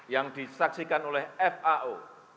yang disaksikan oleh fao